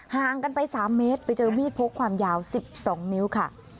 ห่างกันไป๓เมตรไปเจอมีดพกความยาว๑๒นิ้วค่ะ